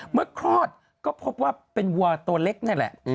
คลอดก็พบว่าเป็นวัวตัวเล็กนี่แหละ